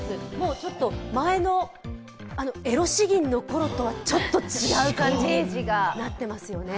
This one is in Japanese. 前のエロ詩吟のころとはちょっと違う感じになってますよね。